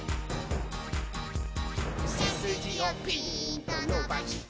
「せすじをピーンとのばして」